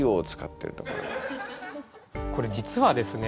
これ実はですね